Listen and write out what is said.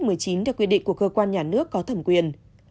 theo quy định của cơ quan nhà nước có thẩm quyền